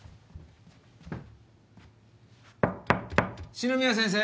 四ノ宮先生。